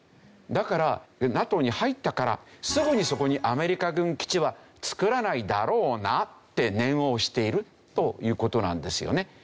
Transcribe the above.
だからＮＡＴＯに入ったからすぐにそこにアメリカ軍基地はつくらないだろうな？って念を押しているという事なんですよね。